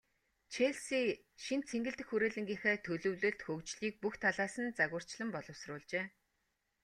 Челси шинэ цэнгэлдэх хүрээлэнгийнхээ төлөвлөлт, хөгжлийг бүх талаас нь загварчлан боловсруулжээ.